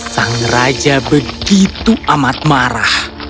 sang raja begitu amat marah